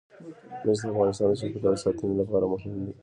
مس د افغانستان د چاپیریال ساتنې لپاره مهم دي.